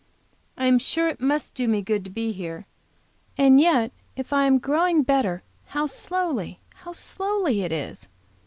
I am sure it must do me good to be here; and yet, if I am growing better how slowly, how slowly, it is!